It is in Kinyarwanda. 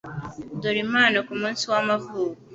Dore impano kumunsi wamavuko.